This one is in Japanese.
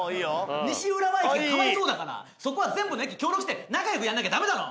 西浦和駅はかわいそうだからそこは全部の駅協力して仲よくやんなきゃダメだろ。